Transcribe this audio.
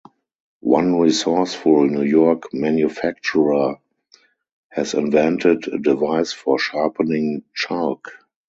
One resourceful New York manufacturer has invented a device for sharpening chalk.